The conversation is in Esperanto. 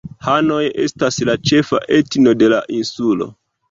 Hanoj estas la ĉefa etno de la insulo.